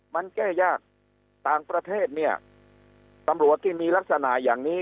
มันแก้ยากต่างประเทศเนี่ยตำรวจที่มีลักษณะอย่างนี้